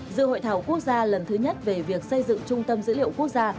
dự hội thảo quốc gia lần thứ nhất về việc xây dựng trung tâm dữ liệu quốc gia